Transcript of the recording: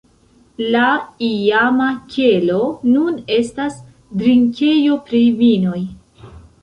La iama kelo nun estas drinkejo pri vinoj.